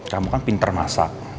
kamu kan pinter masak